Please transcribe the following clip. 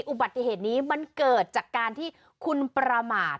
อุบัติเหตุนี้มันเกิดจากการที่คุณประมาท